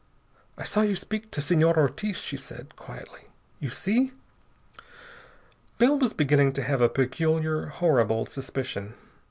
"I saw you speak to Senor Ortiz," she said quietly. "You see?" Bell was beginning to have a peculiar, horrible suspicion.